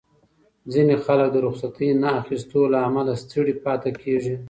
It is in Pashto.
ځینې خلک د رخصتۍ نه اخیستو له امله ستړي پاتې کېږي.